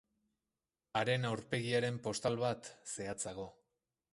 Haren aurpegiaren postal bat, zehatzago.